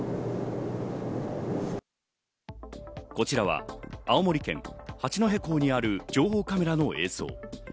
こちらは青森県八戸港にある情報カメラの映像。